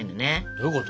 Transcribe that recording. どういうこと？